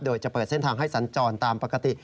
โดยจะเปิดเส้นทางให้สัญจรตามปกติ